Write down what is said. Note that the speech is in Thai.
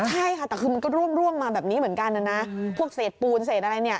ใช่ค่ะแต่คือมันก็ร่วงมาแบบนี้เหมือนกันนะนะพวกเศษปูนเศษอะไรเนี่ย